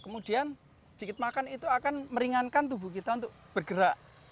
kemudian sedikit makan itu akan meringankan tubuh kita untuk bergerak